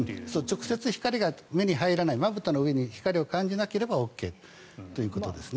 直接光が目に入らないまぶたの上に光を感じなければＯＫということですね。